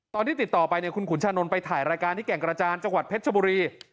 ตอนที่ติดต่อไปเนี่ยคุณขุนชานนท์ไปถ่ายรายการที่แก่งกระจานจังหวัดเพชรชบุรี